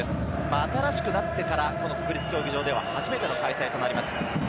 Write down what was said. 新しくなってから国立競技場では初めての開催となります。